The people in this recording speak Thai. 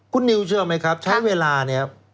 คุณนิวเชื่อไหมครับใช้เวลาเนี่ย